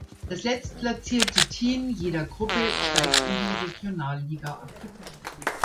Das letztplatzierte Team jeder Gruppe steigt in die Regionalliga ab.